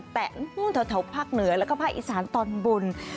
แตะนู่นแถวภาคเหนือแล้วก็ภาคอีสานตอนบน